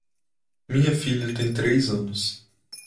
Minha filha tem três anos.